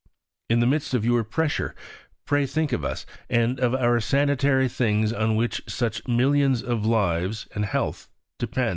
In the midst of your pressure pray think of us, and of our sanitary things on which such millions of lives and health depend.